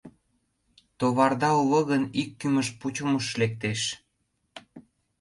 Товарда уло гын, ик кӱмыж пучымыш лектеш.